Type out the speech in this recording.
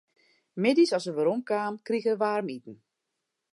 Middeis as er werom kaam, krige er waarmiten.